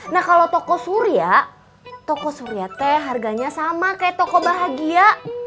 nah kalau toko surya toko suryate harganya sama kayak toko bahagia